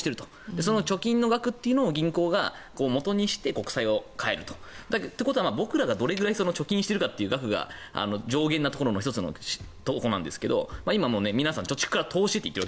その貯金の額を銀行がもとにして国債を買えると。ということは僕らがどれくらい貯金してるかという額が上限の１つなんですが今、皆さん貯蓄から投資と言っている。